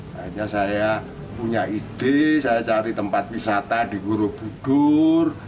akhirnya saya punya ide saya cari tempat wisata di borobudur